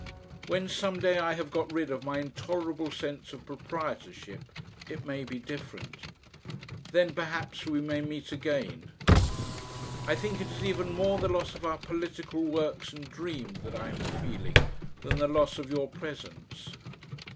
When some day I have got rid of my intolerable sense of proprietorship, it may be different. Then perhaps we may meet again. I think it is even more the loss of our political work and dreams that I am feeling than the loss of your presence.